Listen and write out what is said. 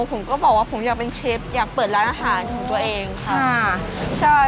ผมก็บอกว่าผมอยากเป็นเชฟอยากเปิดร้านอาหารของตัวเองค่ะใช่